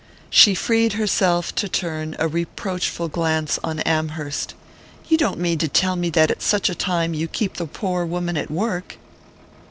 She freed herself to turn a reproachful glance on Amherst. "You don't mean to tell me that, at such a time, you keep the poor woman at work?"